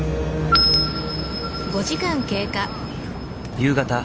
夕方。